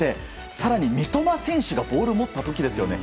更に三笘選手がボールを持った時ですよね